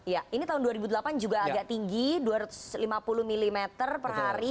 ya ini tahun dua ribu delapan juga agak tinggi dua ratus lima puluh mm per hari